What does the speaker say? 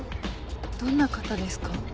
どんな方ですか？